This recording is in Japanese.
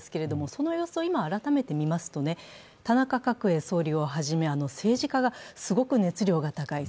その様子を今、改めてみますと田中角栄総理をはじめすごく熱量が高い。